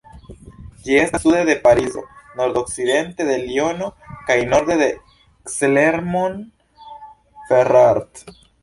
Ĝi estas sude de Parizo, nordokcidente de Liono kaj norde de Clermont-Ferrand.